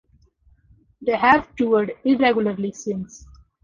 They have toured irregularly since.